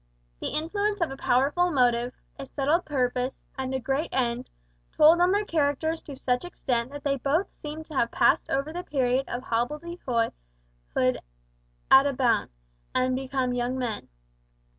The influence of a powerful motive, a settled purpose, and a great end, told on their characters to such an extent that they both seemed to have passed over the period of hobbledehoyhood at a bound, and become young men.